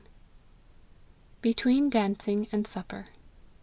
BETWEEN DANCING AND SUPPER.